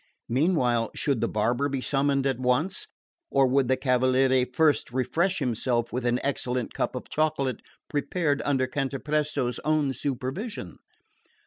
Meanwhile, should the barber be summoned at once? Or would the cavaliere first refresh himself with an excellent cup of chocolate, prepared under Cantapresto's own supervision?